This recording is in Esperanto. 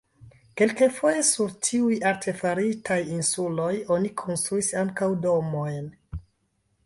Kelkfoje sur tiuj artefaritaj insuloj oni konstruis ankaŭ domojn.